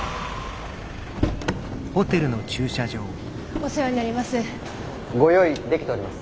お世話になります。